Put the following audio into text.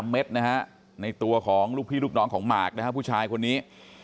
เม็ดนะฮะในตัวของลูกพี่ลูกน้องของหมากนะฮะผู้ชายคนนี้